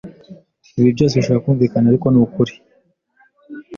Ibi byose bishobora kumvikana, ariko nukuri.